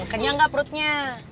kenyang gak perutnya